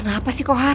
kenapa sih kohar